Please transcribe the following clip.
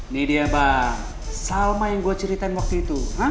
nih dia bang salma yang gua ceritain waktu itu